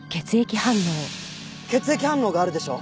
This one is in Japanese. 血液反応があるでしょ？